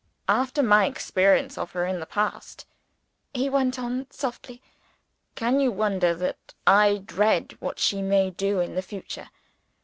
"After my experience of her in the past," he went on softly, "can you wonder that I dread what she may do in the future?